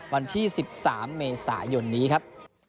วันที่๑๓เมษายนนี้ครับ